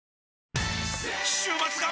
週末が！！